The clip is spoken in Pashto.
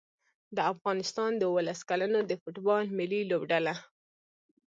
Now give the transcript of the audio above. د افغانستان د اولس کلونو د فوټبال ملي لوبډله